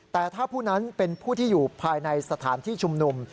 แต่ถ้าผู้นั้นเป็นผู้ที่อยู่ภายในสถานที่ชุมนุม